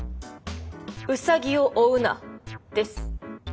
「ウサギを追うな」です。